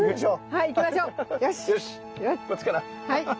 はい。